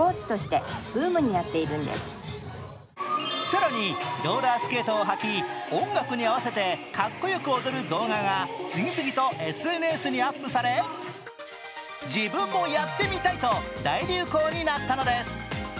更に、ローラースケートを履き、音楽に合わせてかっこよく踊る動画が次々とＳＮＳにアップされ自分もやってみたいと大流行になったのです。